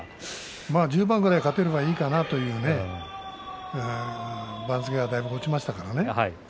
１０番くらい勝てればいいかなと番付がだいぶ落ちましたからね。